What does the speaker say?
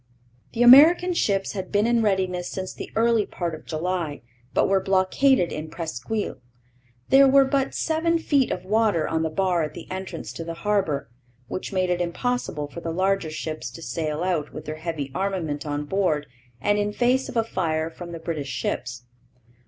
The American ships had been in readiness since the early part of July, but were blockaded in Presqu'isle. There were but seven feet of water on the bar at the entrance to the harbour, which made it impossible for the larger ships to sail out with their heavy armament on board and in face of a fire from the British ships.